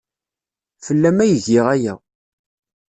Fell-am ay giɣ aya.